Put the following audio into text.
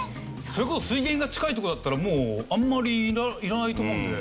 それこそ水源が近い所だったらあんまりいらないと思うんで。